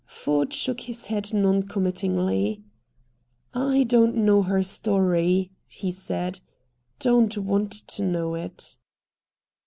Ford shook his head non committingly. "I don't know her story," he said. "Don't want to know it."